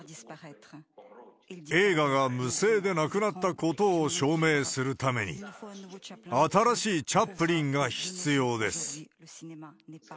映画が無声でなくなったことを証明するために、新しいチャップリンが必要です。